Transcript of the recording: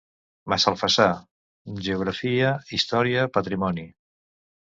Massalfassar: geografia, història, patrimoni.